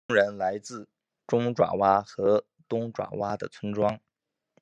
工人来自中爪哇和东爪哇的村庄。